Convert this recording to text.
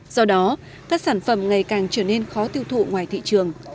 do đó các sản phẩm ngày càng trở nên khó tiêu thụ ngoài thị trường